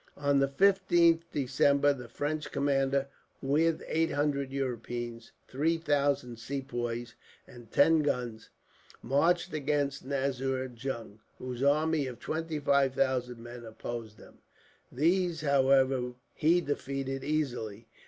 "On the 15th December the French commander, with eight hundred Europeans, three thousand Sepoys, and ten guns, marched against Nazir Jung, whose army of twenty five thousand men opposed him. These, however, he defeated easily.